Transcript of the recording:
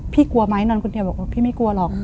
กลัวไหมนอนคนเดียวบอกว่าพี่ไม่กลัวหรอก